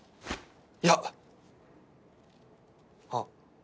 いやあっ